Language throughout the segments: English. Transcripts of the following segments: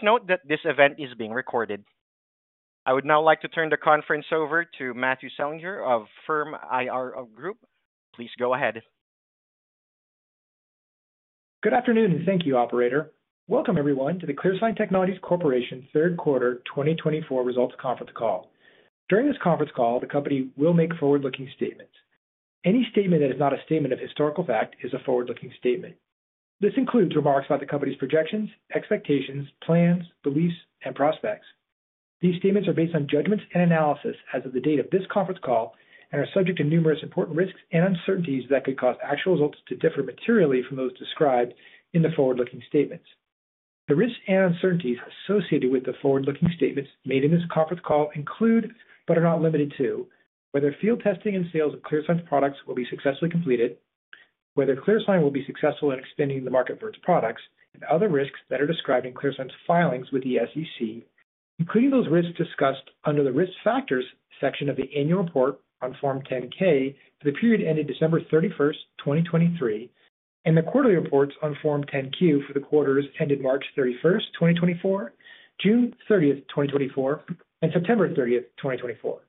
Please note that this event is being recorded. I would now like to turn the conference over to Matthew Selinger of Firm IR Group. Please go ahead. Good afternoon and thank you, Operator. Welcome, everyone, to the ClearSign Technologies Corporation Third Quarter 2024 Results Conference Call. During this conference call, the company will make forward-looking statements. Any statement that is not a statement of historical fact is a forward-looking statement. This includes remarks about the company's projections, expectations, plans, beliefs, and prospects. These statements are based on judgments and analysis as of the date of this conference call and are subject to numerous important risks and uncertainties that could cause actual results to differ materially from those described in the forward-looking statements. The risks and uncertainties associated with the forward-looking statements made in this conference call include, but are not limited to, whether field testing and sales of ClearSign's products will be successfully completed, whether ClearSign will be successful in expanding the market for its products, and other risks that are described in ClearSign's filings with the SEC, including those risks discussed under the risk factors section of the annual report on Form 10-K for the period ended 31 December 2023, and the quarterly reports on Form 10-Q for the quarters ended 31 March 2024, 30 June 2024, and 30 September 2024.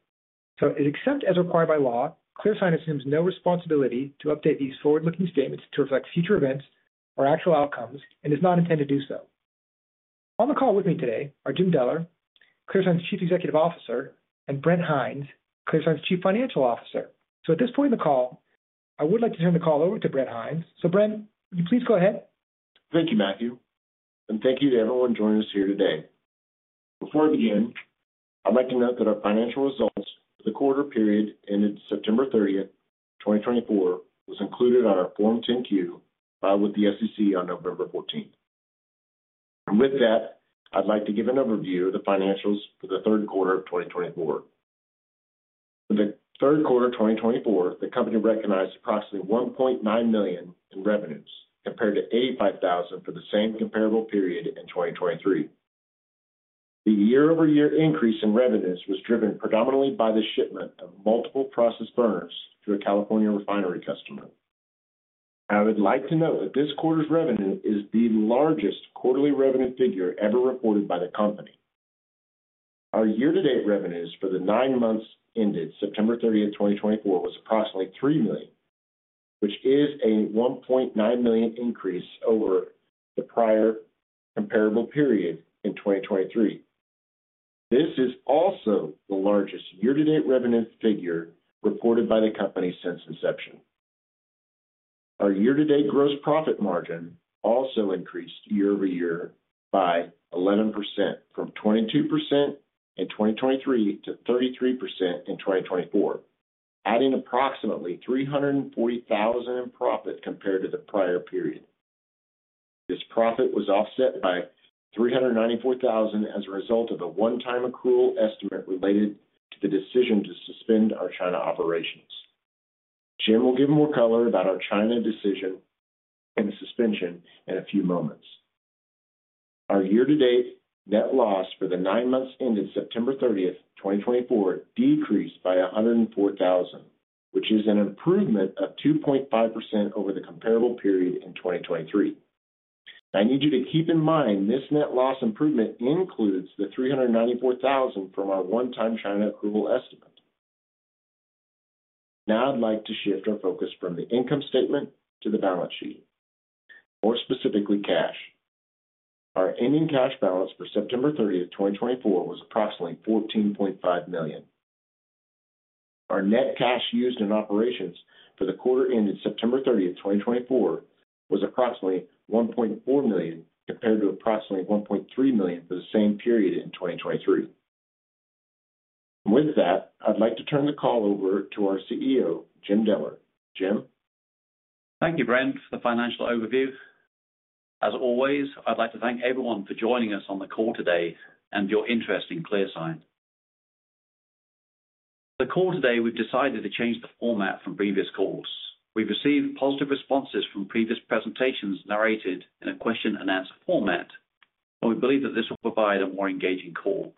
So, except as required by law, ClearSign assumes no responsibility to update these forward-looking statements to reflect future events or actual outcomes and does not intend to do so. On the call with me today are Jim Deller, ClearSign's Chief Executive Officer, and Brent Hinds, ClearSign's Chief Financial Officer. At this point in the call, I would like to turn the call over to Brent Hinds. So, Brent, will you please go ahead? Thank you, Matthew, and thank you to everyone joining us here today. Before I begin, I'd like to note that our financial results for the quarter period ended 30 September 2024, was included on our Form 10-Q filed with the SEC on November 14th, and with that, I'd like to give an overview of the financials for the Q3 of 2024. For the Q3 of 2024, the company recognized approximately $1.9 million in revenues compared to $85,000 for the same comparable period in 2023. The year-over-year increase in revenues was driven predominantly by the shipment of multiple process burners to a California refinery customer. I would like to note that this quarter's revenue is the largest quarterly revenue figure ever reported by the company. Our year-to-date revenues for the nine months ended 30 September 2024, was approximately $3 million, which is a $1.9 million increase over the prior comparable period in 2023. This is also the largest year-to-date revenue figure reported by the company since inception. Our year-to-date gross profit margin also increased year-over-year by 11% from 22% in 2023 to 33% in 2024, adding approximately $340,000 in profit compared to the prior period. This profit was offset by $394,000 as a result of a one-time accrual estimate related to the decision to suspend our China operations. Jim will give more color about our China decision and suspension in a few moments. Our year-to-date net loss for the nine months ended 30 September 2024, decreased by $104,000, which is an improvement of 2.5% over the comparable period in 2023. I need you to keep in mind this net loss improvement includes the $394,000 from our one-time China accrual estimate. Now I'd like to shift our focus from the income statement to the balance sheet, more specifically cash. Our ending cash balance for 30 September 2024, was approximately $14.5 million. Our net cash used in operations for the quarter ended 30 September 2024, was approximately $1.4 million compared to approximately $1.3 million for the same period in 2023. And with that, I'd like to turn the call over to our CEO, Jim Deller. Jim? Thank you, Brent, for the financial overview. As always, I'd like to thank everyone for joining us on the call today and your interest in ClearSign. For the call today, we've decided to change the format from previous calls. We've received positive responses from previous presentations narrated in a question-and-answer format, and we believe that this will provide a more engaging call.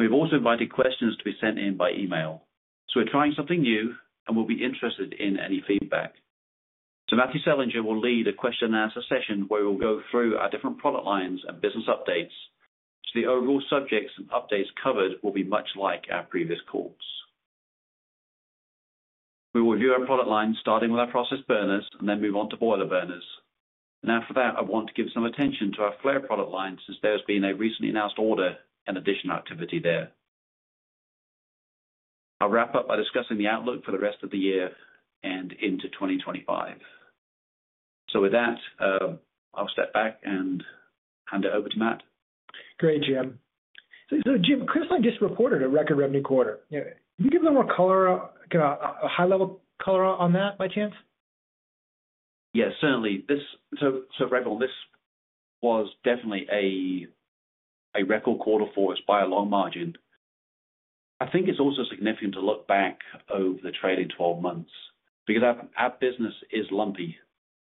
We've also invited questions to be sent in by email. So we're trying something new and will be interested in any feedback. So Matthew Selinger will lead a question-and-answer session where we'll go through our different product lines and business updates. So the overall subjects and updates covered will be much like our previous calls. We will review our product line, starting with our process burners, and then move on to boiler burners. After that, I want to give some attention to our flare product line since there has been a recently announced order and additional activity there. I'll wrap up by discussing the outlook for the rest of the year and into 2025. With that, I'll step back and hand it over to Matt. Great, Jim. So Jim, ClearSign just reported a record revenue quarter. Can you give a little more color, a high-level color on that by chance? Yeah, certainly. So for everyone, this was definitely a record quarter for us by a long margin. I think it's also significant to look back over the trailing 12 months because our business is lumpy.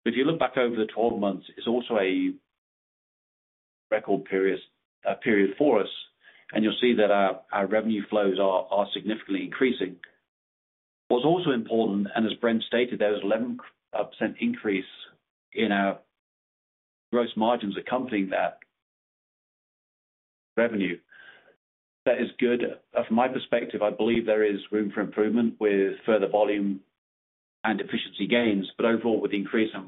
If you look back over the 12 months, it's also a record period for us, and you'll see that our revenue flows are significantly increasing. What's also important, and as Brent stated, there was an 11% increase in our gross margins accompanying that revenue. That is good. From my perspective, I believe there is room for improvement with further volume and efficiency gains. But overall, with the increase in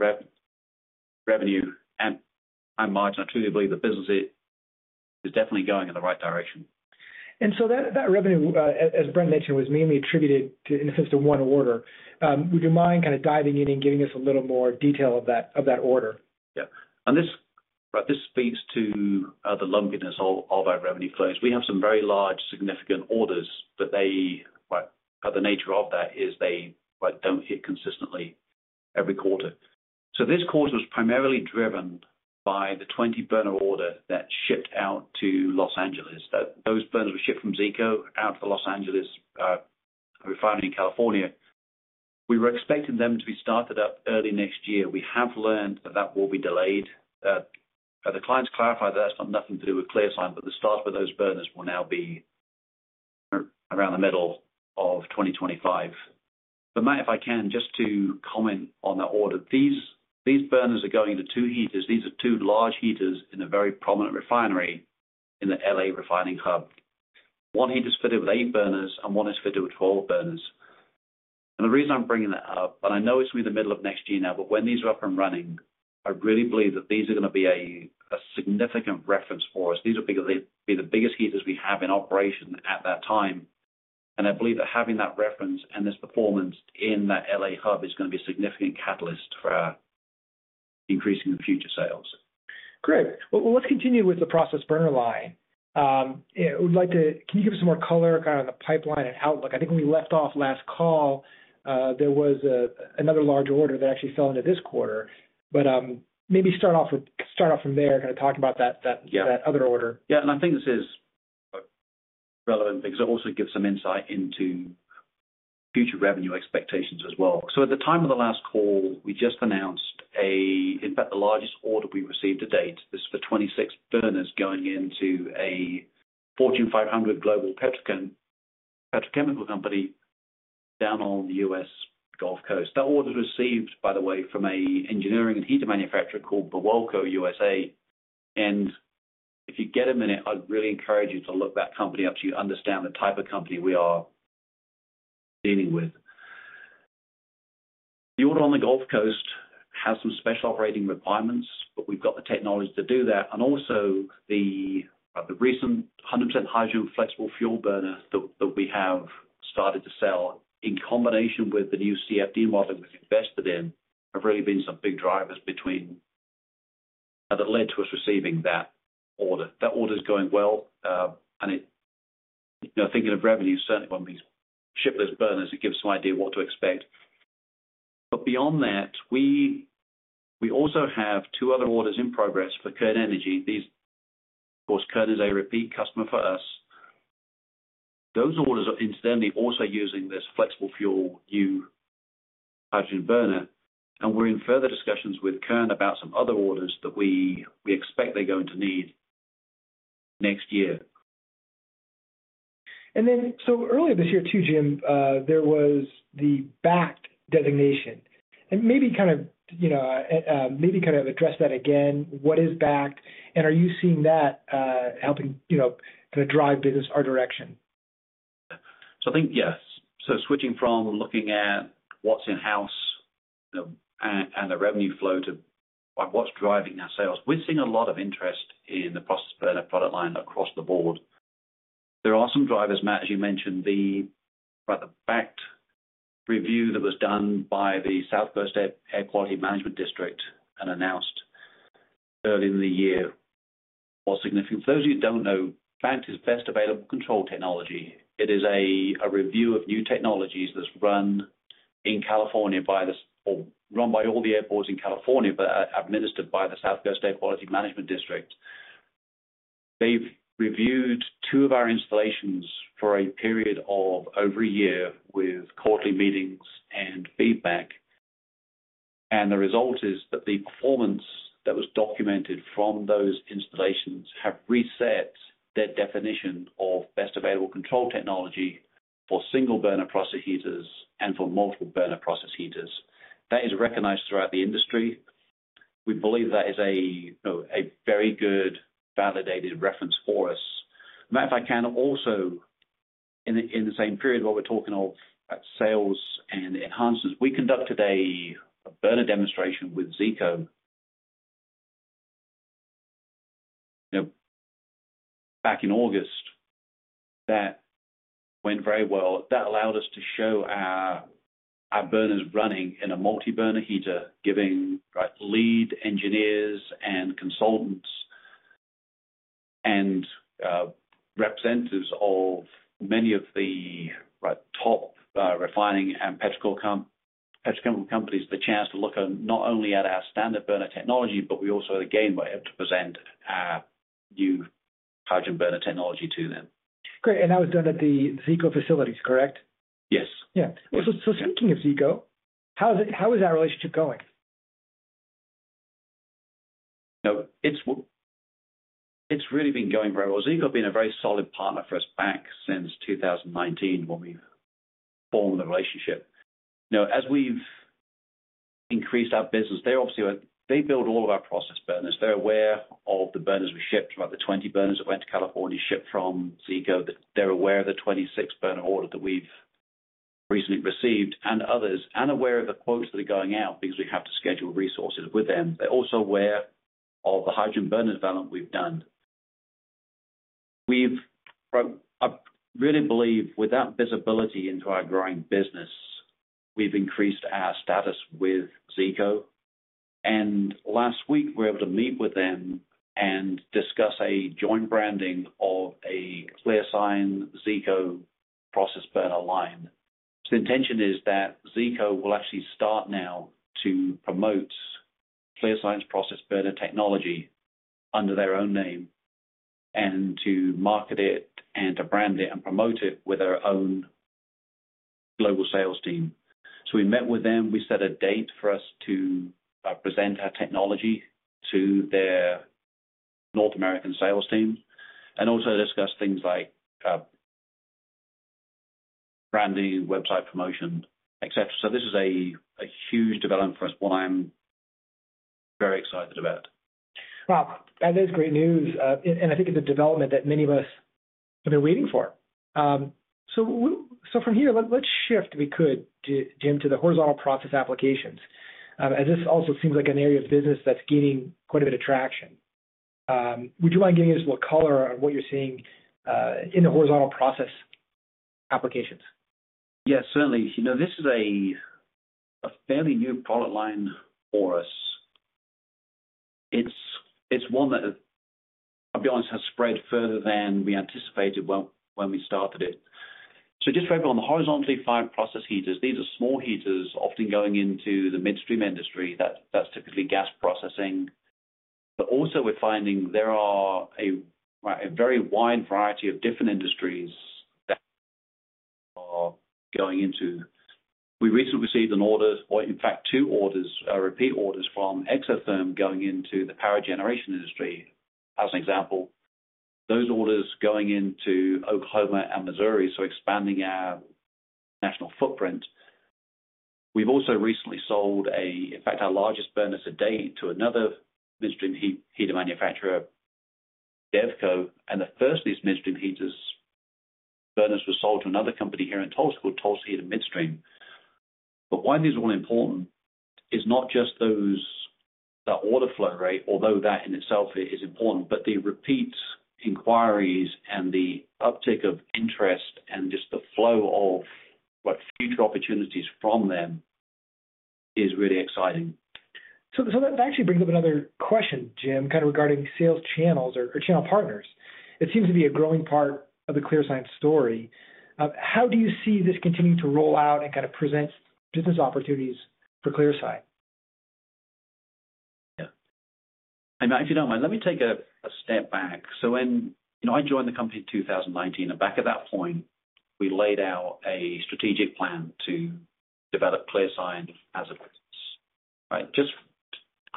revenue and margin, I truly believe the business is definitely going in the right direction. And so that revenue, as Brent mentioned, was mainly attributed in the sense to one order. Would you mind kind of diving in and giving us a little more detail of that order? Yeah. And this speaks to the lumpiness of our revenue flows. We have some very large, significant orders, but the nature of that is they don't hit consistently every quarter. So this quarter was primarily driven by the 20-burner order that shipped out to Los Angeles. Those burners were shipped from Zeeco out to the Los Angeles refinery in California. We were expecting them to be started up early next year. We have learned that that will be delayed. The clients clarify that that's got nothing to do with ClearSign, but the start for those burners will now be around the middle of 2025. But Matt, if I can, just to comment on that order, these burners are going to two heaters. These are two large heaters in a very prominent refinery in the LA refining hub. One heater's fitted with eight burners, and one is fitted with 12 burners. And the reason I'm bringing that up, and I know it's going to be the middle of next year now, but when these are up and running, I really believe that these are going to be a significant reference for us. These will be the biggest heaters we have in operation at that time. And I believe that having that reference and this performance in that LA hub is going to be a significant catalyst for increasing future sales. Great. Well, let's continue with the process burner line. Can you give us some more color kind of on the pipeline and outlook? I think when we left off last call, there was another large order that actually fell into this quarter. But maybe start off from there, kind of talking about that other order. Yeah, and I think this is relevant because it also gives some insight into future revenue expectations as well, so at the time of the last call, we just announced a, in fact, the largest order we received to date. This is for 26 burners going into a Fortune 500 global petrochemical company down on the US Gulf Coast. That order was received, by the way, from an engineering and heater manufacturer called Birwelco USA. And if you get a minute, I'd really encourage you to look that company up so you understand the type of company we are dealing with. The order on the Gulf Coast has some special operating requirements, but we've got the technology to do that. And also the recent 100% hydrogen flexible fuel burner that we have started to sell in combination with the new CFD model that we've invested in have really been some big drivers that led to us receiving that order. That order is going well. And thinking of revenue, certainly when we ship those burners, it gives some idea of what to expect. But beyond that, we also have two other orders in progress for Kern Energy. Of course, Kern is a repeat customer for us. Those orders are incidentally also using this flexible fuel new hydrogen burner. And we're in further discussions with Kern about some other orders that we expect they're going to need next year. And then so earlier this year too, Jim, there was the BACT designation. And maybe kind of address that again. What is BACT? And are you seeing that helping kind of drive business our direction? So I think, yes. So switching from looking at what's in-house and the revenue flow to what's driving our sales. We're seeing a lot of interest in the process burner product line across the board. There are some drivers, Matt, as you mentioned. The BACT review that was done by the South Coast Air Quality Management District and announced early in the year was significant. For those of you who don't know, BACT is Best Available Control Technology. It is a review of new technologies that's run in California by the or run by all the air districts in California, but administered by the South Coast Air Quality Management District. They've reviewed two of our installations for a period of over a year with quarterly meetings and feedback. And the result is that the performance that was documented from those installations has reset their definition of Best Available Control Technology for single burner process heaters and for multiple burner process heaters. That is recognized throughout the industry. We believe that is a very good validated reference for us. Matt, if I can also, in the same period while we're talking of sales and enhancements, we conducted a burner demonstration with Zeeco back in August that went very well. That allowed us to show our burners running in a multi-burner heater, giving lead engineers and consultants and representatives of many of the top refining and petrochemical companies the chance to look at not only our standard burner technology, but we also had a great way to present our new hydrogen burner technology to them. Great. And that was done at the Zeeco facilities, correct? Yes. Yeah. So speaking of Zeeco, how is that relationship going? It's really been going very well. Zeeco has been a very solid partner for us back since 2019 when we formed the relationship. Now, as we've increased our business, they obviously build all of our process burners. They're aware of the burners we shipped, the 20 burners that went to California, shipped from Zeeco. They're aware of the 26-burner order that we've recently received and others, and aware of the quotes that are going out because we have to schedule resources with them. They're also aware of the hydrogen burner development we've done. I really believe with that visibility into our growing business, we've increased our status with Zeeco, and last week, we were able to meet with them and discuss a joint branding of a ClearSign Zeeco process burner line. The intention is that Zeeco will actually start now to promote ClearSign's process burner technology under their own name and to market it and to brand it and promote it with their own global sales team. So we met with them. We set a date for us to present our technology to their North American sales team and also discuss things like branding, website promotion, etc. So this is a huge development for us, one I'm very excited about. Wow. That is great news. And I think it's a development that many of us have been waiting for. So from here, let's shift, if we could, Jim, to the horizontal process applications, as this also seems like an area of business that's gaining quite a bit of traction. Would you mind giving us a little color on what you're seeing in the horizontal process applications? Yeah, certainly. This is a fairly new product line for us. It's one that, I'll be honest, has spread further than we anticipated when we started it. So just for everyone, the horizontally fired process heaters, these are small heaters often going into the midstream industry. That's typically gas processing. But also we're finding there are a very wide variety of different industries that are going into. We recently received an order, or in fact, two orders, repeat orders from Exotherm going into the power generation industry as an example. Those orders going into Oklahoma and Missouri, so expanding our national footprint. We've also recently sold, in fact, our largest burner to date to another midstream heater manufacturer, Devco. And the first of these midstream heaters burners were sold to another company here in Tulsa called Tulsa Heaters Midstream. But why these are all important is not just that order flow rate, although that in itself is important, but the repeat inquiries and the uptick of interest and just the flow of future opportunities from them is really exciting. That actually brings up another question, Jim, kind of regarding sales channels or channel partners. It seems to be a growing part of the ClearSign story. How do you see this continuing to roll out and kind of present business opportunities for ClearSign? Yeah. And Matt, if you don't mind, let me take a step back. So when I joined the company in 2019, and back at that point, we laid out a strategic plan to develop ClearSign as a business.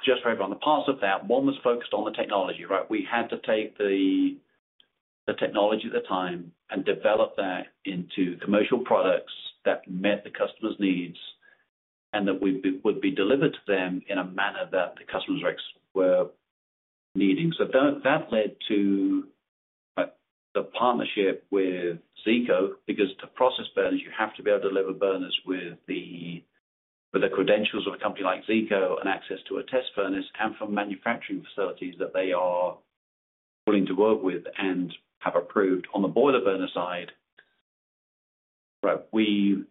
Just for everyone, the plus of that, one was focused on the technology. We had to take the technology at the time and develop that into commercial products that met the customer's needs and that would be delivered to them in a manner that the customers were needing. So that led to the partnership with Zeeco because to process burners, you have to be able to deliver burners with the credentials of a company like Zeeco and access to a test furnace and from manufacturing facilities that they are willing to work with and have approved. On the boiler burner side, we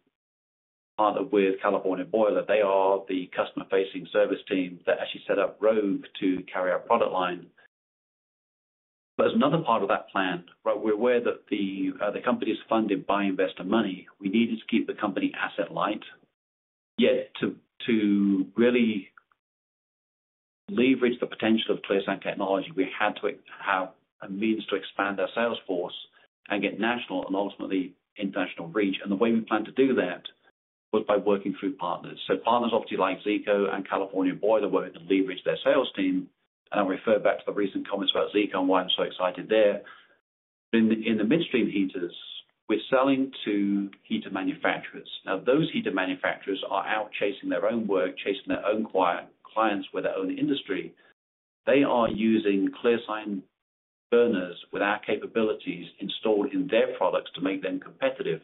partnered with California Boiler. They are the customer-facing service team that actually set up Rogue to carry our product line. But as another part of that plan, we're aware that the company is funded by investor money. We needed to keep the company asset light. Yet to really leverage the potential of ClearSign technology, we had to have a means to expand our sales force and get national and ultimately international reach. And the way we planned to do that was by working through partners. So partners obviously like Zeeco and California Boiler were able to leverage their sales team. And I'll refer back to the recent comments about Zeeco and why I'm so excited there. In the midstream heaters, we're selling to heater manufacturers. Now, those heater manufacturers are out chasing their own work, chasing their own clients with their own industry. They are using ClearSign burners with our capabilities installed in their products to make them competitive.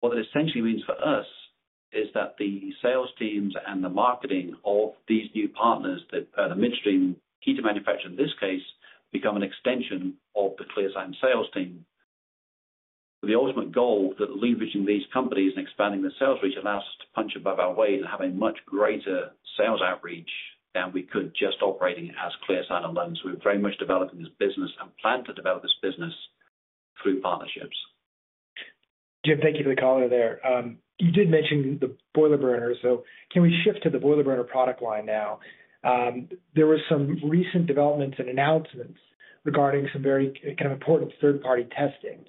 What it essentially means for us is that the sales teams and the marketing of these new partners, the midstream heater manufacturer in this case, become an extension of the ClearSign sales team. The ultimate goal that leveraging these companies and expanding the sales reach allows us to punch above our weight and have a much greater sales outreach than we could just operating as ClearSign alone. So we're very much developing this business and plan to develop this business through partnerships. Jim, thank you for the caller there. You did mention the boiler burners. So can we shift to the boiler burner product line now? There were some recent developments and announcements regarding some very kind of important third-party testing.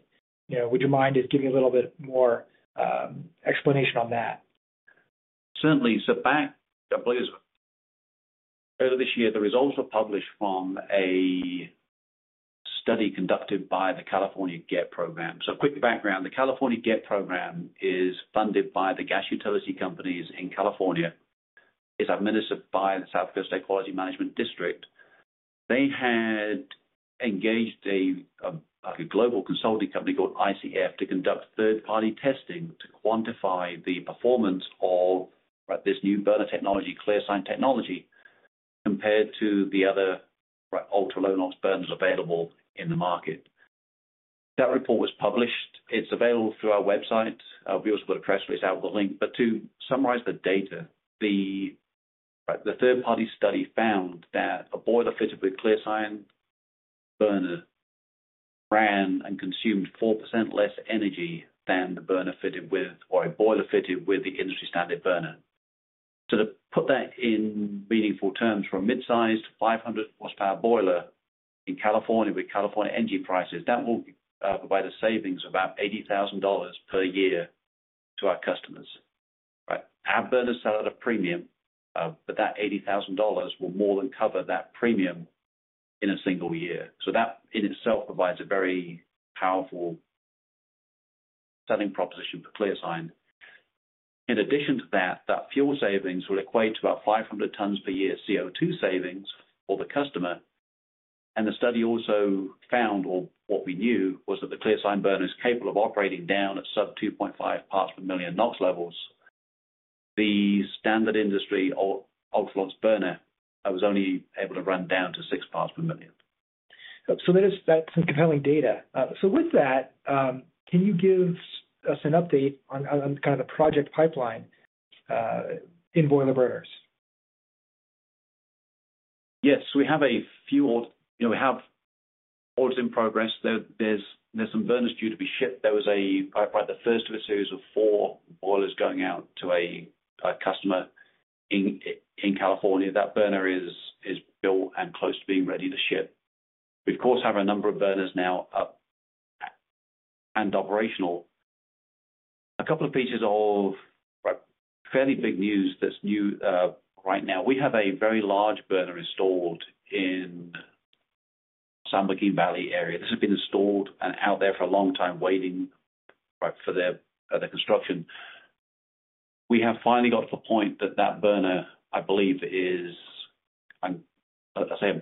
Would you mind just giving a little bit more explanation on that? Certainly. So back, I believe, earlier this year, the results were published from a study conducted by the California GET program. So quick background. The California GET program is funded by the gas utility companies in California. It's administered by the South Coast Air Quality Management District. They had engaged a global consulting company called ICF to conduct third-party testing to quantify the performance of this new burner technology, ClearSign technology, compared to the other ultra-low NOx burners available in the market. That report was published. It's available through our website. We also put a press release out with a link. But to summarize the data, the third-party study found that a boiler fitted with ClearSign burner ran and consumed 4% less energy than the burner fitted with or a boiler fitted with the industry-standard burner. So to put that in meaningful terms, from a mid-sized 500-horsepower boiler in California with California energy prices, that will provide a savings of about $80,000 per year to our customers. Our burners sell at a premium, but that $80,000 will more than cover that premium in a single year. So that in itself provides a very powerful selling proposition for ClearSign. In addition to that, that fuel savings will equate to about 500 tons per year CO2 savings for the customer. And the study also found, or what we knew, was that the ClearSign burner is capable of operating down at sub-2.5 parts per million NOx levels. The standard industry ultra-low burner was only able to run down to six parts per million. So that's some compelling data. So with that, can you give us an update on kind of the project pipeline in boiler burners? Yes, so we have a few orders. We have orders in progress. There's some burners due to be shipped. There was the first of a series of four boilers going out to a customer in California. That burner is built and close to being ready to ship. We, of course, have a number of burners now up and operational. A couple of pieces of fairly big news that's new right now. We have a very large burner installed in San Joaquin Valley area. This has been installed and out there for a long time waiting for the construction. We have finally got to a point that that burner, I believe, is, I'll say,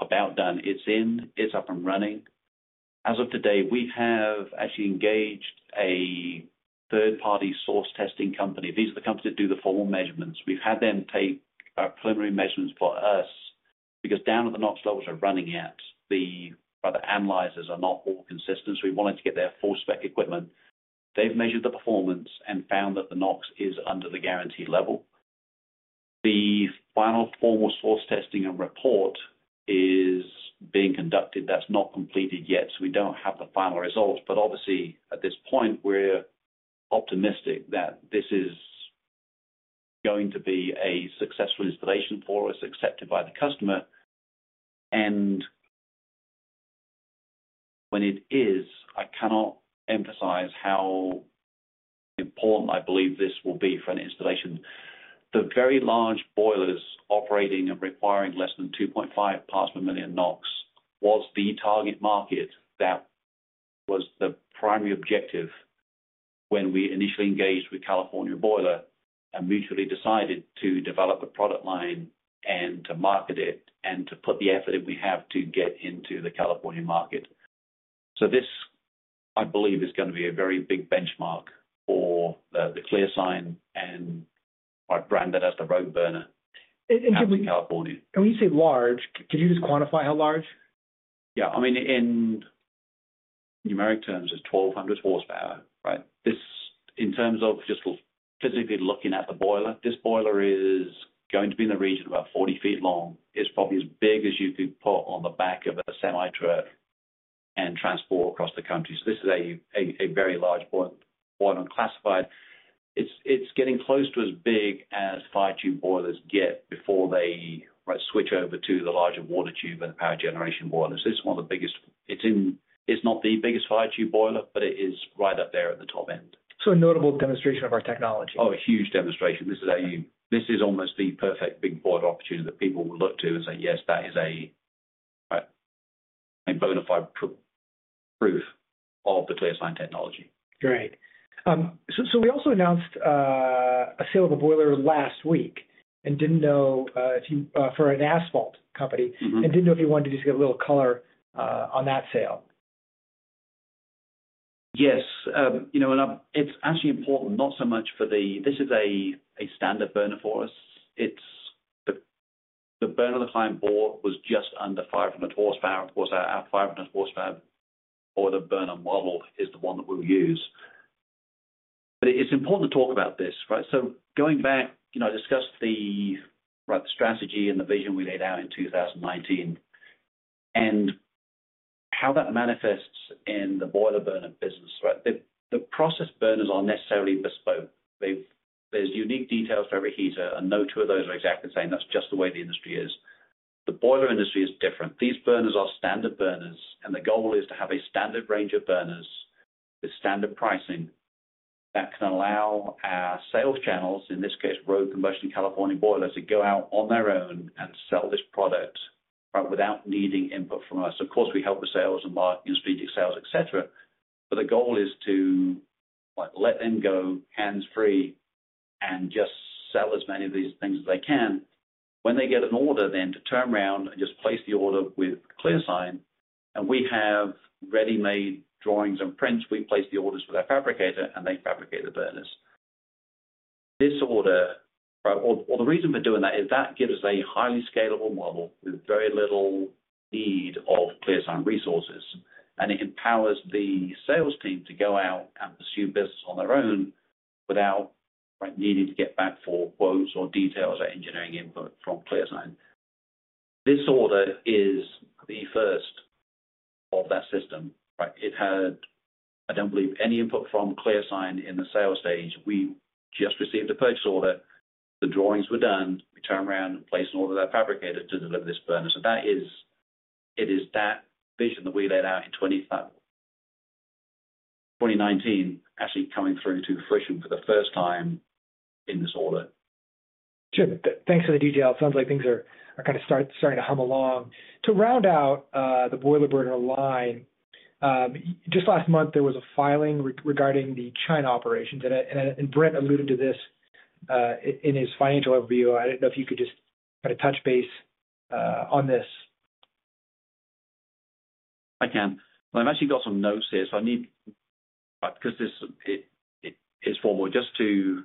about done. It's in. It's up and running. As of today, we have actually engaged a third-party source testing company. These are the companies that do the formal measurements. We've had them take preliminary measurements for us because down at the NOx levels are running at. The analyzers are not all consistent. So we wanted to get their full-spec equipment. They've measured the performance and found that the NOx is under the guaranteed level. The final formal source testing and report is being conducted. That's not completed yet. So we don't have the final results. But obviously, at this point, we're optimistic that this is going to be a successful installation for us, accepted by the customer. And when it is, I cannot emphasize how important, I believe, this will be for an installation. The very large boilers operating and requiring less than 2.5 parts per million NOx was the target market that was the primary objective when we initially engaged with California Boiler and mutually decided to develop a product line and to market it and to put the effort in. We have to get into the California market. This, I believe, is going to be a very big benchmark for the ClearSign brand and brand that as the Rogue burner in California. When you say large, could you just quantify how large? Yeah. I mean, in numeric terms, it's 1,200 horsepower. In terms of just physically looking at the boiler, this boiler is going to be in the region of about 40 feet long. It's probably as big as you could put on the back of a semi-truck and transport across the country. So this is a very large boiler classified. It's getting close to as big as fire tube boilers get before they switch over to the larger water tube and power generation boilers. It's one of the biggest. It's not the biggest fire tube boiler, but it is right up there at the top end. A notable demonstration of our technology. Oh, a huge demonstration. This is almost the perfect big boiler opportunity that people will look to and say, "Yes, that is a bona fide proof of the ClearSign technology. Great. So we also announced a sale of a boiler last week to an asphalt company and didn't know if you wanted to just get a little color on that sale. Yes, and it's actually important, not so much, for this is a standard burner for us. The burner the client bought was just under 500 horsepower. Of course, our 500-horsepower boiler burner model is the one that we'll use, but it's important to talk about this, so going back, I discussed the strategy and the vision we laid out in 2019 and how that manifests in the boiler burner business. The process burners aren't necessarily bespoke. There's unique details for every heater, and no two of those are exactly the same. That's just the way the industry is. The boiler industry is different. These burners are standard burners, and the goal is to have a standard range of burners with standard pricing that can allow our sales channels, in this case, Rogue Combustion, California Boiler, to go out on their own and sell this product without needing input from us. Of course, we help with sales and marketing and strategic sales, etc. But the goal is to let them go hands-free and just sell as many of these things as they can. When they get an order, then to turn around and just place the order with ClearSign. And we have ready-made drawings and prints. We place the orders with our fabricator, and they fabricate the burners. This order, or the reason for doing that, is that gives us a highly scalable model with very little need of ClearSign resources. And it empowers the sales team to go out and pursue business on their own without needing to get back for quotes or details or engineering input from ClearSign. This order is the first of that system. It had, I don't believe, any input from ClearSign in the sales stage. We just received a purchase order. The drawings were done. We turned around and placed an order with our fabricator to deliver this burner. So it is that vision that we laid out in 2019 actually coming through to fruition for the first time in this order. Jim, thanks for the detail. It sounds like things are kind of starting to hum along. To round out the boiler burner line, just last month, there was a filing regarding the China operations. And Brent alluded to this in his financial overview. I don't know if you could just kind of touch base on this. I can. I've actually got some notes here. So I need, because it's formal, just to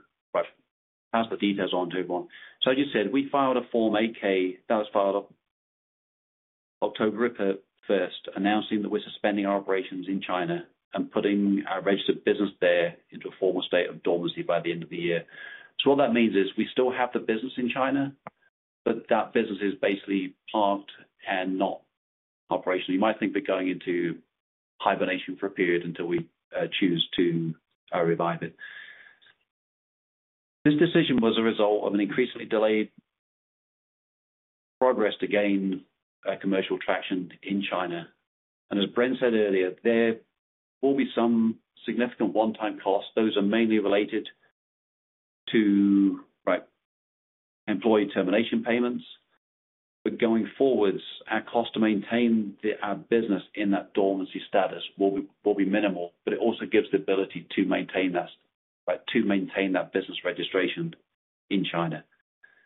pass the details on to everyone. So I just said we filed a Form 8-K that was filed October 1st, announcing that we're suspending our operations in China and putting our registered business there into a formal state of dormancy by the end of the year. So what that means is we still have the business in China, but that business is basically parked and not operational. You might think we're going into hibernation for a period until we choose to revive it. This decision was a result of an increasingly delayed progress to gain commercial traction in China. And as Brent said earlier, there will be some significant one-time costs. Those are mainly related to employee termination payments. But going forwards, our cost to maintain our business in that dormancy status will be minimal, but it also gives the ability to maintain that business registration in China.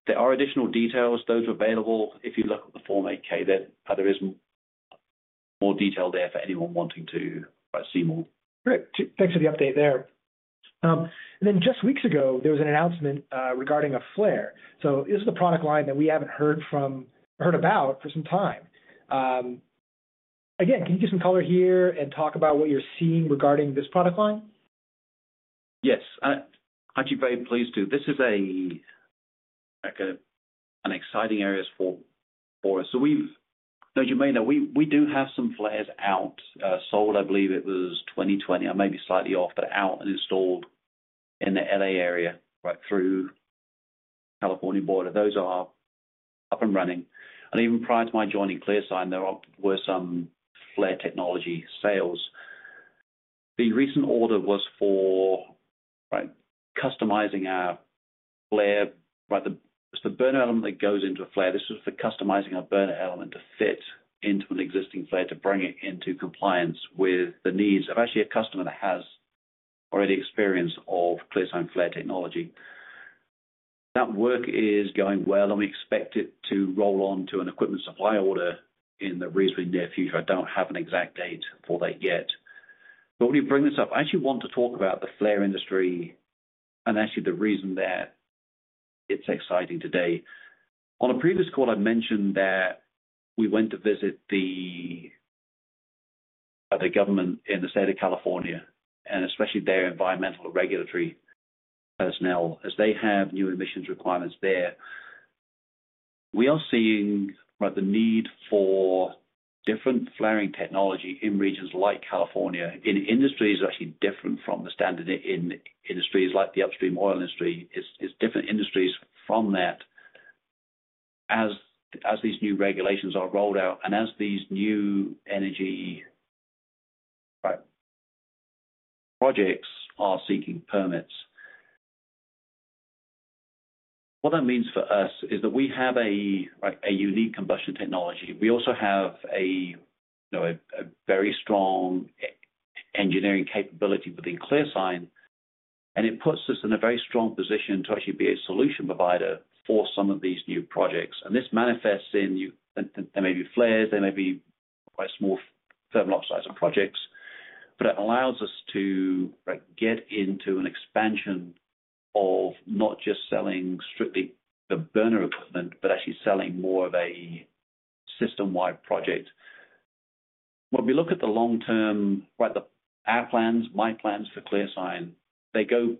There are additional details. Those are available. If you look at the Form 8-K, there is more detail there for anyone wanting to see more. Great. Thanks for the update there. And then just weeks ago, there was an announcement regarding a flare. So this is a product line that we haven't heard about for some time. Again, can you get some color here and talk about what you're seeing regarding this product line? Yes. I'd be very pleased to. This is an exciting area for us. So as you may know, we do have some flares out, sold I believe it was 2020. I may be slightly off, but out and installed in the LA area through California Boiler. Those are up and running, and even prior to my joining ClearSign, there were some flare technology sales. The recent order was for customizing our flare. It's the burner element that goes into a flare. This was for customizing a burner element to fit into an existing flare to bring it into compliance with the needs of actually a customer that has already experience of ClearSign flare technology. That work is going well, and we expect it to roll onto an equipment supply order in the reasonably near future. I don't have an exact date for that yet. But when you bring this up, I actually want to talk about the flare industry and actually the reason that it's exciting today. On a previous call, I mentioned that we went to visit the government in the state of California and especially their environmental regulatory personnel as they have new emissions requirements there. We are seeing the need for different flaring technology in regions like California in industries actually different from the standard in industries like the upstream oil industry. It's different industries from that as these new regulations are rolled out and as these new energy projects are seeking permits. What that means for us is that we have a unique combustion technology. We also have a very strong engineering capability within ClearSign, and it puts us in a very strong position to actually be a solution provider for some of these new projects. And this manifests in that there may be flares. There may be quite small thermal oxidizer projects, but it allows us to get into an expansion of not just selling strictly the burner equipment, but actually selling more of a system-wide project. When we look at the long term, our plans, my plans for ClearSign, they go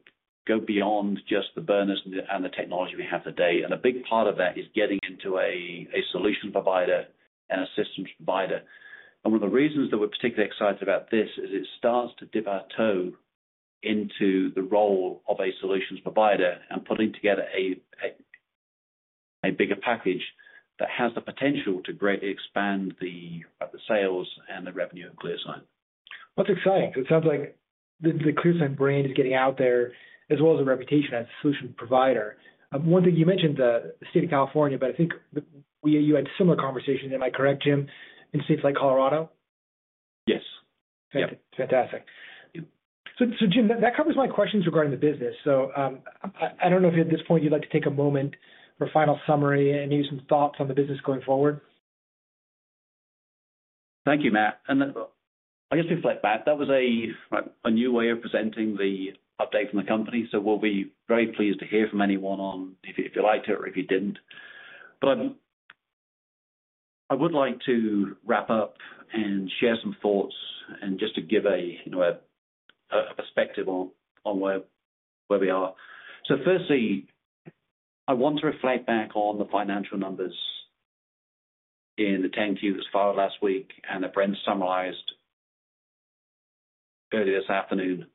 beyond just the burners and the technology we have today. And a big part of that is getting into a solution provider and a systems provider. And one of the reasons that we're particularly excited about this is it starts to dip our toe into the role of a solutions provider and putting together a bigger package that has the potential to greatly expand the sales and the revenue of ClearSign. That's exciting. So it sounds like the ClearSign brand is getting out there as well as a reputation as a solution provider. One thing, you mentioned the state of California, but I think you had similar conversations. Am I correct, Jim, in states like Colorado? Yes. Fantastic. So Jim, that covers my questions regarding the business. So I don't know if at this point you'd like to take a moment for a final summary and maybe some thoughts on the business going forward? Thank you, Matt. And I guess to flip back, that was a new way of presenting the update from the company. So we'll be very pleased to hear from anyone on if you liked it or if you didn't. But I would like to wrap up and share some thoughts and just to give a perspective on where we are. So firstly, I want to reflect back on the financial numbers in the 10-Q that was filed last week and that Brent summarized earlier this afternoon.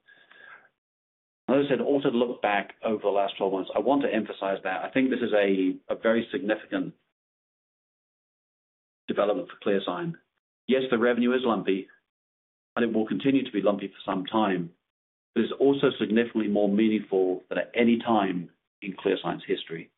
As I said, I also looked back over the last 12 months. I want to emphasize that. I think this is a very significant development for ClearSign. Yes, the revenue is lumpy, and it will continue to be lumpy for some time, but it's also significantly more meaningful than at any time in ClearSign's history.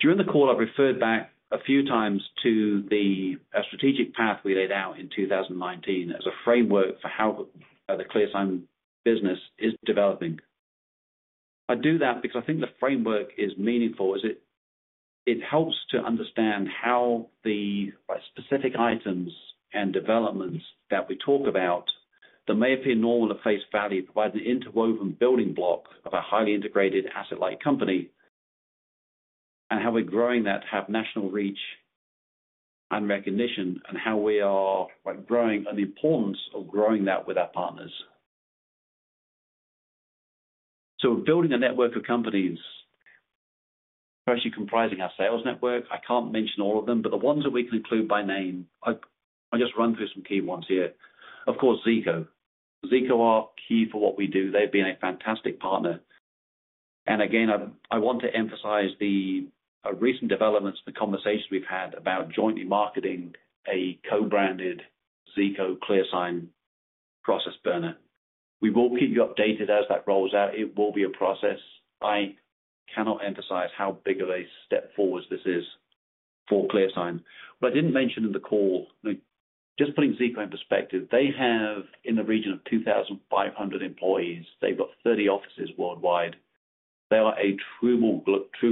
During the call, I've referred back a few times to the strategic path we laid out in 2019 as a framework for how the ClearSign business is developing. I do that because I think the framework is meaningful. It helps to understand how the specific items and developments that we talk about that may appear normal at face value provide an interwoven building block of a highly integrated asset-like company and how we're growing that to have national reach and recognition and how we are growing and the importance of growing that with our partners. So building a network of companies is actually comprising our sales network. I can't mention all of them, but the ones that we can include by name, I'll just run through some key ones here. Of course, Zeeco. Zeeco are key for what we do. They've been a fantastic partner. Again, I want to emphasize the recent developments and the conversations we've had about jointly marketing a co-branded Zeeco ClearSign process burner. We will keep you updated as that rolls out. It will be a process. I cannot emphasize how big of a step forward this is for ClearSign. I didn't mention in the call, just putting Zeeco in perspective, they have in the region of 2,500 employees. They've got 30 offices worldwide. They are a true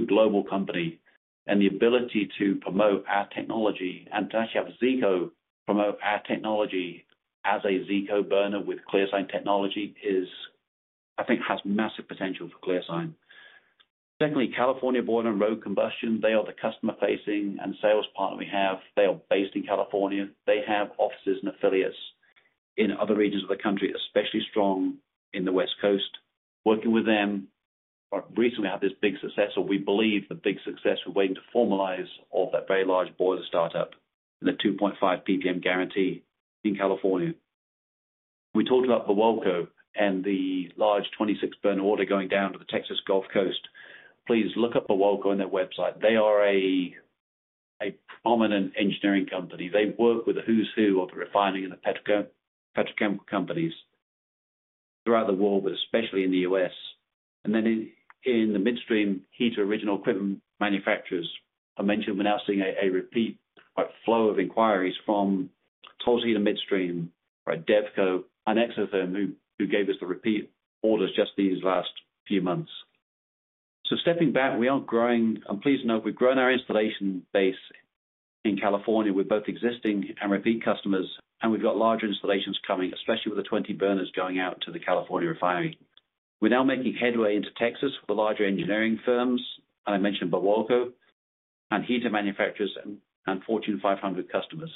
global company. The ability to promote our technology and to actually have Zeeco promote our technology as a Zeeco burner with ClearSign technology is, I think, has massive potential for ClearSign. Secondly, California Boiler and Rogue Combustion, they are the customer-facing and sales partner we have. They are based in California. They have offices and affiliates in other regions of the country, especially strong in the West Coast. Working with them, recently had this big success, or we believe the big success we're waiting to formalize of that very large boiler startup and the 2.5 PPM guarantee in California. We talked about Birwelco and the large 26-burner order going down to the Texas Gulf Coast. Please look up Birwelco on their website. They are a prominent engineering company. They work with the who's who of the refining and the petrochemical companies throughout the world, but especially in the US. And then in the midstream heater original equipment manufacturers, I mentioned we're now seeing a repeat flow of inquiries from Tulsa Heater Midstream, Devco, and Exotherm who gave us the repeat orders just these last few months. So stepping back, we are growing. I'm pleased to know we've grown our installation base in California with both existing and repeat customers, and we've got larger installations coming, especially with the 20 burners going out to the California refinery. We're now making headway into Texas with the larger engineering firms, and I mentioned Birwelco and heater manufacturers and Fortune 500 customers.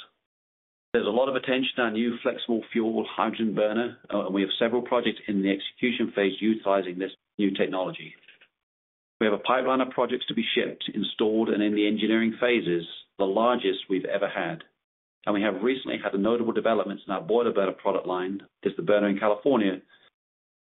There's a lot of attention to our new flexible fuel hydrogen burner, and we have several projects in the execution phase utilizing this new technology. We have a pipeline of projects to be shipped, installed, and in the engineering phases, the largest we've ever had, and we have recently had a notable development in our boiler burner product line. It's the burner in California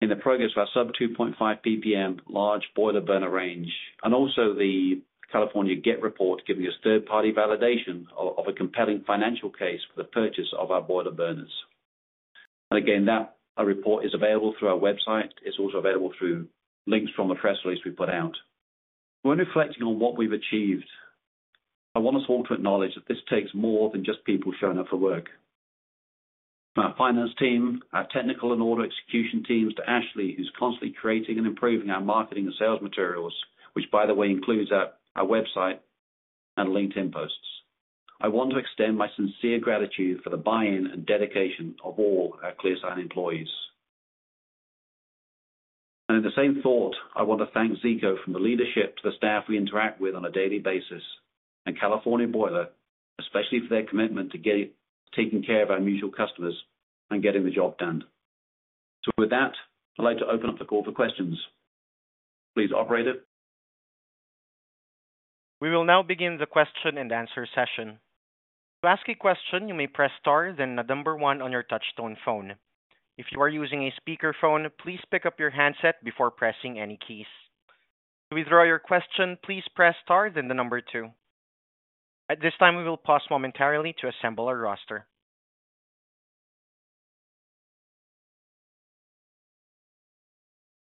in progress of our sub-2.5 PPM large boiler burner range. And also the California GET Report giving us third-party validation of a compelling financial case for the purchase of our boiler burners. And again, that report is available through our website. It's also available through links from the press release we put out. When reflecting on what we've achieved, I want us all to acknowledge that this takes more than just people showing up for work. Our finance team, our technical and order execution teams, to Ashley, who's constantly creating and improving our marketing and sales materials, which, by the way, includes our website and LinkedIn posts. I want to extend my sincere gratitude for the buy-in and dedication of all our ClearSign employees. In the same thought, I want to thank Zeeco from the leadership to the staff we interact with on a daily basis and California Boiler, especially for their commitment to taking care of our mutual customers and getting the job done. With that, I'd like to open up the call for questions. Please, Operator. We will now begin the question and answer session. To ask a question, you may press star, then the number one on your touch-tone phone. If you are using a speakerphone, please pick up your handset before pressing any keys. To withdraw your question, please press star, then the number two. At this time, we will pause momentarily to assemble our roster.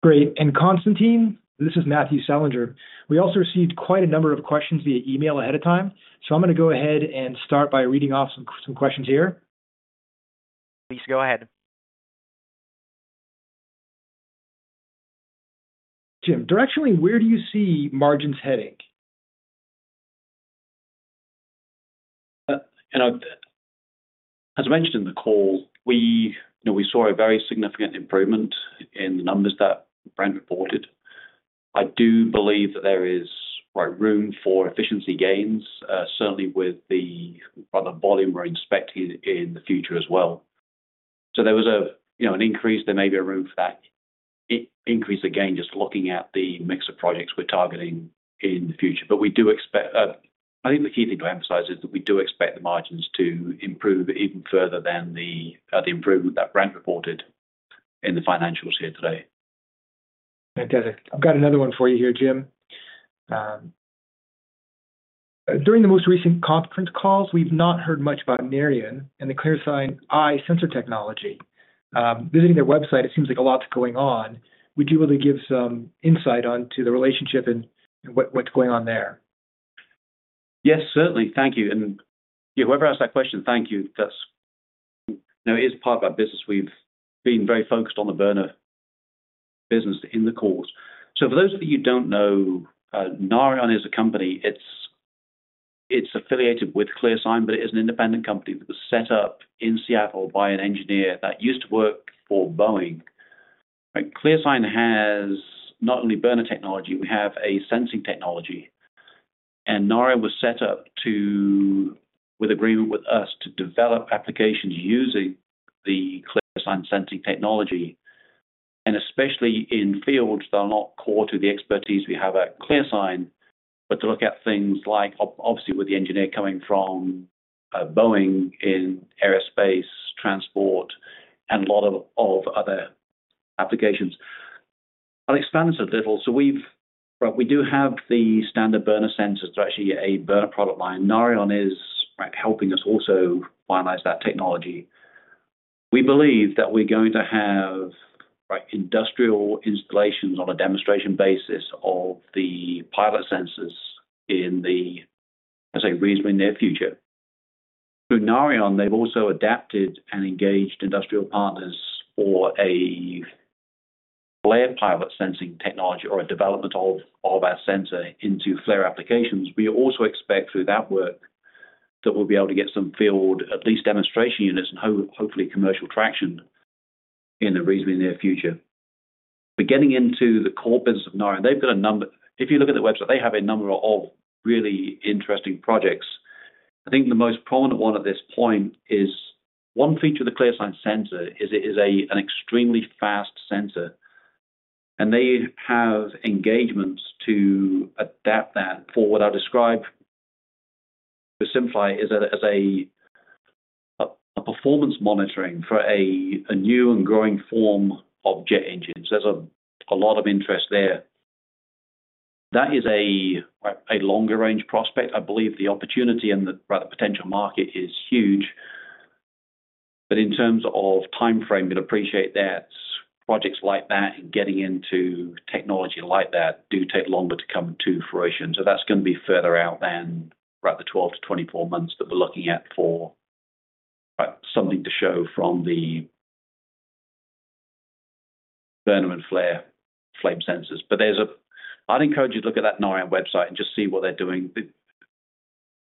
Great. And Constantine, this is Matthew Selinger. We also received quite a number of questions via email ahead of time. So I'm going to go ahead and start by reading off some questions here. Please go ahead. Jim, directionally, where do you see margins heading? As I mentioned in the call, we saw a very significant improvement in the numbers that Brent reported. I do believe that there is room for efficiency gains, certainly with the volume we're expecting in the future as well. So there was an increase. There may be a room for that increase again, just looking at the mix of projects we're targeting in the future. But we do expect I think the key thing to emphasize is that we do expect the margins to improve even further than the improvement that Brent reported in the financials here today. Fantastic. I've got another one for you here, Jim. During the most recent conference calls, we've not heard much about Narion and the ClearSign Eye sensor technology. Visiting their website, it seems like a lot's going on. Would you be able to give some insight onto the relationship and what's going on there? Yes, certainly. Thank you, and whoever asked that question, thank you. It is part of our business. We've been very focused on the burner business in the calls. For those of you who don't know, Narion is a company. It's affiliated with ClearSign, but it is an independent company that was set up in Seattle by an engineer that used to work for Boeing. ClearSign has not only burner technology. We have a sensing technology. Narion was set up with agreement with us to develop applications using the ClearSign sensing technology, and especially in fields that are not core to the expertise we have at ClearSign, but to look at things like, obviously, with the engineer coming from Boeing in aerospace, transport, and a lot of other applications. I'll expand this a little. We do have the standard burner sensors to actually a burner product line. Narion is helping us also finalize that technology. We believe that we're going to have industrial installations on a demonstration basis of the pilot sensors in the, I'd say, reasonably near future. Through Narion, they've also adapted and engaged industrial partners for a flare pilot sensing technology or a development of our sensor into flare applications. We also expect through that work that we'll be able to get some field, at least demonstration units and hopefully commercial traction in the reasonably near future. But getting into the core business of Narion, they've got a number if you look at their website, they have a number of really interesting projects. I think the most prominent one at this point is one feature of the ClearSign sensor is it is an extremely fast sensor. They have engagements to adapt that for what I describe to simplify as a performance monitoring for a new and growing form of jet engines. There's a lot of interest there. That is a longer-range prospect. I believe the opportunity and the potential market is huge. But in terms of timeframe, you'd appreciate that projects like that and getting into technology like that do take longer to come to fruition. So that's going to be further out than the 12 to 24 months that we're looking at for something to show from the burner and flare flame sensors. But I'd encourage you to look at that Narion website and just see what they're doing.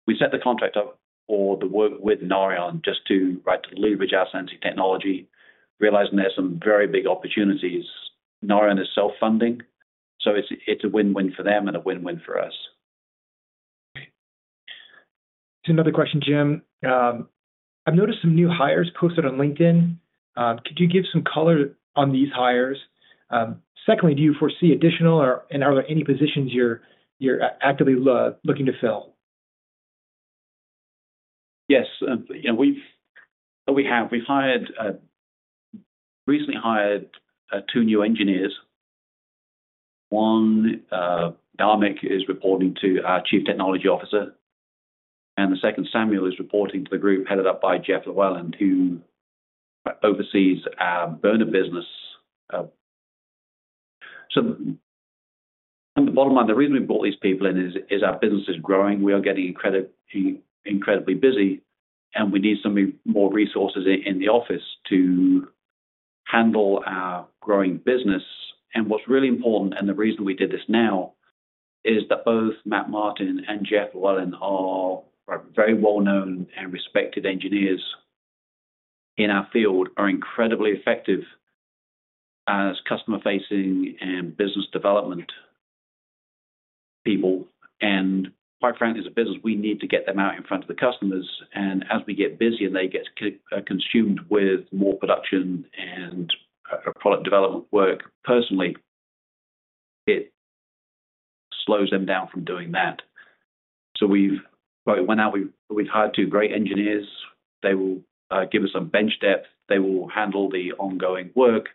We set the contract up for the work with Narion just to leverage our sensing technology, realizing there's some very big opportunities. Narion is self-funding. So it's a win-win for them and a win-win for us. Okay. Just another question, Jim. I've noticed some new hires posted on LinkedIn. Could you give some color on these hires? Secondly, do you foresee additional, and are there any positions you're actively looking to fill? Yes. We have. We recently hired two new engineers. One is reporting to our Chief Technology Officer. And the second, Samuel, is reporting to the group headed up by Jeff Lewallen, who oversees our burner business. So the bottom line, the reason we brought these people in is our business is growing. We are getting incredibly busy, and we need some more resources in the office to handle our growing business. And what's really important, and the reason we did this now, is that both Matt Martin and Jeff Lewallen are very well-known and respected engineers in our field, are incredibly effective as customer-facing and business development people. And quite frankly, as a business, we need to get them out in front of the customers. And as we get busy and they get consumed with more production and product development work personally, it slows them down from doing that. So when we've hired two great engineers, they will give us some bench depth. They will handle the ongoing work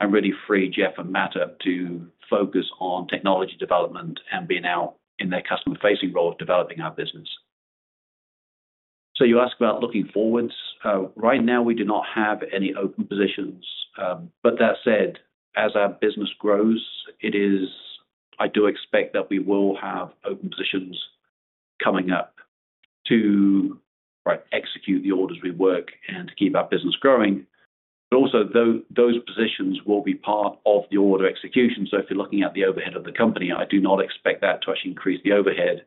and really free Jeff and Matt up to focus on technology development and being out in their customer-facing role of developing our business. So you ask about looking forward. Right now, we do not have any open positions. But that said, as our business grows, I do expect that we will have open positions coming up to execute the orders we work and to keep our business growing. But also, those positions will be part of the order execution. So if you're looking at the overhead of the company, I do not expect that to actually increase the overhead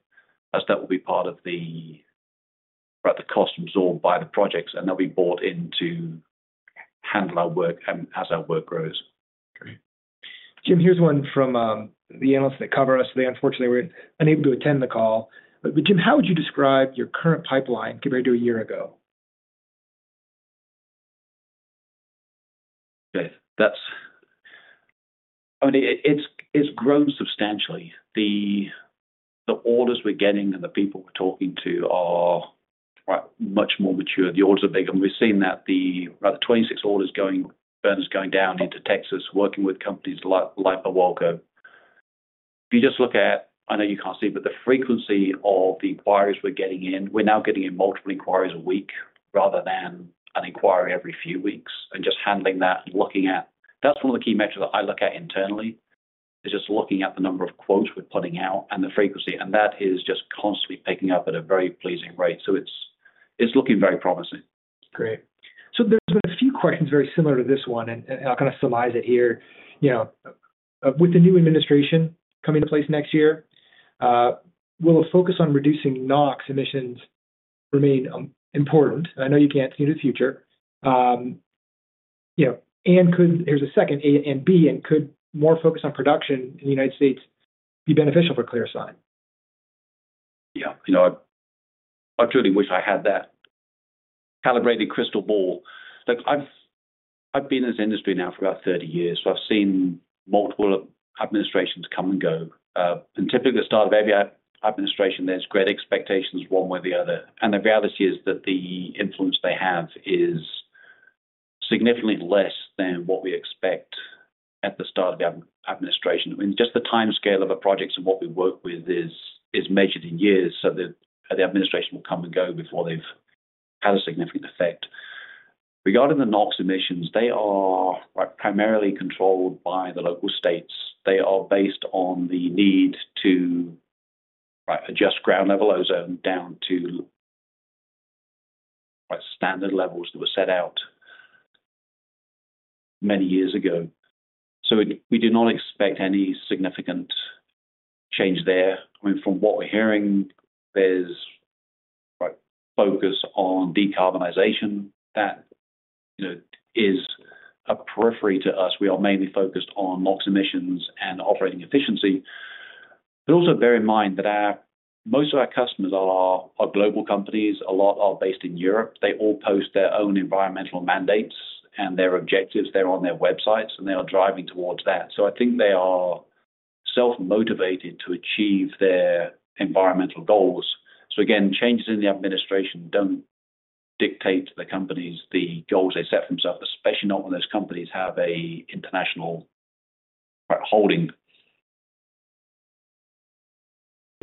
as that will be part of the cost absorbed by the projects, and they'll be brought in to handle our work as our work grows. Great. Jim, here's one from the analysts that cover us. They, unfortunately, were unable to attend the call. But Jim, how would you describe your current pipeline compared to a year ago? I mean, it's grown substantially. The orders we're getting and the people we're talking to are much more mature. The orders are big, and we've seen that the 26 orders for burners going down into Texas, working with companies like Birwelco. If you just look at, I know you can't see, but the frequency of the inquiries we're getting in, we're now getting in multiple inquiries a week rather than an inquiry every few weeks. And just handling that and looking at that's one of the key metrics that I look at internally, is just looking at the number of quotes we're putting out and the frequency. And that is just constantly picking up at a very pleasing rate, so it's looking very promising. Great. So there's been a few questions very similar to this one, and I'll kind of summarize it here. With the new administration coming into place next year, will a focus on reducing NOx emissions remain important? I know you can't see the future, and here's a second, A and B, and could more focus on production in the United States be beneficial for ClearSign? Yeah. I truly wish I had that calibrated crystal ball. I've been in this industry now for about 30 years, so I've seen multiple administrations come and go. And typically, at the start of every administration, there's great expectations one way or the other. And the reality is that the influence they have is significantly less than what we expect at the start of the administration. I mean, just the timescale of a project and what we work with is measured in years, so the administration will come and go before they've had a significant effect. Regarding the NOx emissions, they are primarily controlled by the local states. They are based on the need to adjust ground-level ozone down to standard levels that were set out many years ago. So we do not expect any significant change there. I mean, from what we're hearing, there's focus on decarbonization. That is a peripheral to us. We are mainly focused on NOx emissions and operating efficiency. But also bear in mind that most of our customers are global companies. A lot are based in Europe. They all post their own environmental mandates and their objectives. They're on their websites, and they are driving towards that. So I think they are self-motivated to achieve their environmental goals. So again, changes in the administration don't dictate the companies the goals they set for themselves, especially not when those companies have an international holding.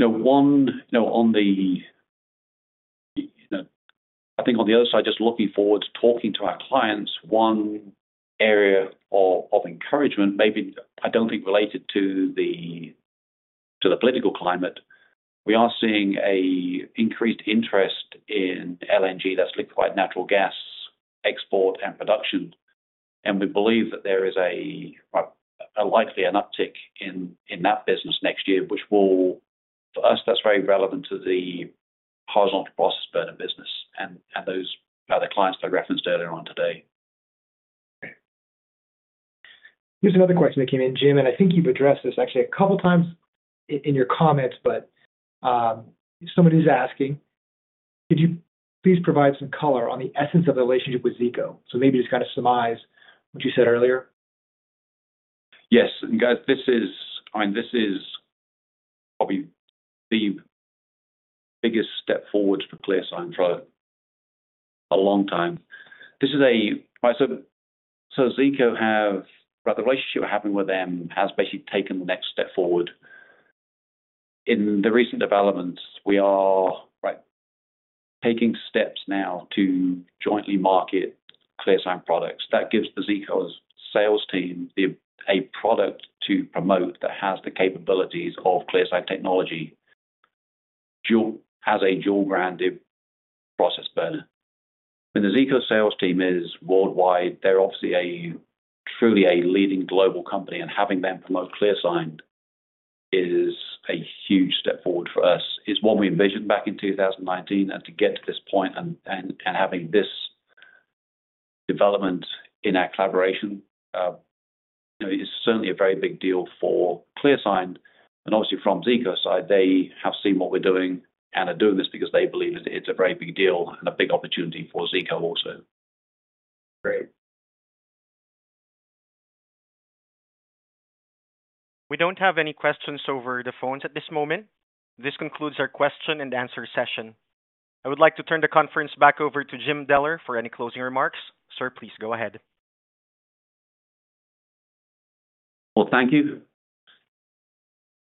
I think on the other side, just looking forward to talking to our clients, one area of encouragement, maybe I don't think related to the political climate, we are seeing an increased interest in LNG, that's liquefied natural gas export and production. We believe that there is likely an uptick in that business next year, which will, for us, that's very relevant to the horizontal process burner business and the clients that I referenced earlier on today. Okay. Here's another question that came in, Jim, and I think you've addressed this actually a couple of times in your comments, but somebody's asking, could you please provide some color on the essence of the relationship with Zeeco? So maybe just kind of summarize what you said earlier. Yes. And guys, I mean, this is probably the biggest step forward for ClearSign for a long time. So, the relationship we're having with Zeeco has basically taken the next step forward. In the recent developments, we are taking steps now to jointly market ClearSign products. That gives the Zeeco sales team a product to promote that has the capabilities of ClearSign technology, has a dual-branded process burner. And the Zeeco sales team is worldwide. They're obviously truly a leading global company, and having them promote ClearSign is a huge step forward for us. It's what we envisioned back in 2019, and to get to this point and having this development in our collaboration is certainly a very big deal for ClearSign. Obviously, from Zeeco's side, they have seen what we're doing and are doing this because they believe it's a very big deal and a big opportunity for Zeeco also. Great. We don't have any questions over the phones at this moment. This concludes our question and answer session. I would like to turn the conference back over to Jim Deller for any closing remarks. Sir, please go ahead. Thank you.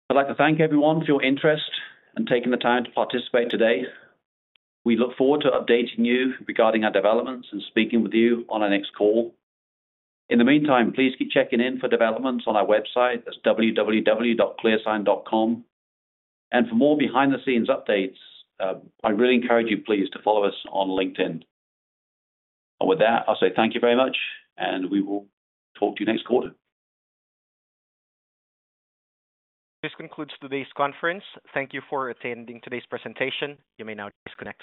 I'd like to thank everyone for your interest and taking the time to participate today. We look forward to updating you regarding our developments and speaking with you on our next call. In the meantime, please keep checking in for developments on our website at www.clearsign.com. And for more behind-the-scenes updates, I really encourage you, please, to follow us on LinkedIn. And with that, I'll say thank you very much, and we will talk to you next quarter. This concludes today's conference. Thank you for attending today's presentation. You may now disconnect.